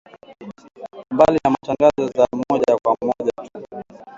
Mbali na matangazo ya moja kwa moja tu